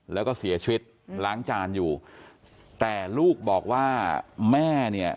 แล้วก็เสียชีวิตล้างจานอยู่แต่ลูกบอกว่าแม่เนี่ย